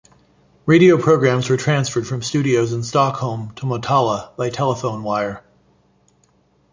Radio programs were transferred from studios in Stockholm to Motala by telephone wire.